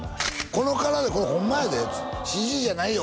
この体これホンマやでＣＧじゃないよ